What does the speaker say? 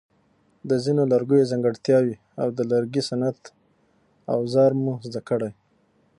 د ځینو لرګیو ځانګړتیاوې او د لرګي صنعت اوزار مو زده کړي.